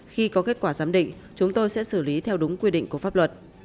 khi có kết quả giám định chúng tôi sẽ xử lý theo đúng quy định của pháp luật